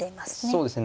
そうですね。